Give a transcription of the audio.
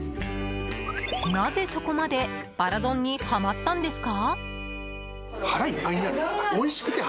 なぜ、そこまでバラ丼にはまったんですか？